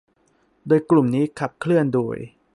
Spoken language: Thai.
โดยกลุ่มนี้ขับเคลื่อนโดย